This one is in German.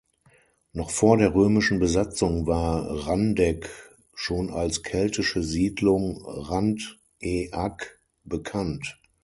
Noch vor der römischen Besatzung war Randegg schon als keltische Siedlung rand-e-ack bekannt.